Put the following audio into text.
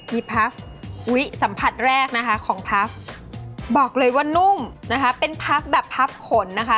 มีพักวิสัมผัสแรกนะคะของพักบอกเลยว่านุ่มนะคะเป็นพักแบบพักขนนะคะ